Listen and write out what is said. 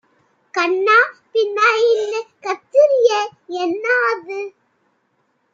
கன்னா பின்னாஇண்ணு கத்துறியே என்னாது?